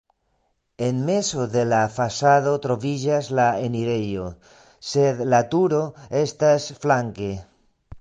En mezo de la fasado troviĝas la enirejo, sed la turo estas flanke.